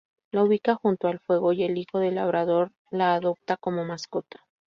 La ubica junto al fuego y el hijo del labrador la adopta como mascota.